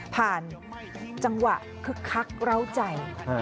ผ่านจังหวะคลักเล่าใจ